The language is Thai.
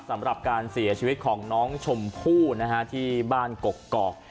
สำหรับการเสียชีวิตของน้องชมพู่นะฮะที่บ้านกกอก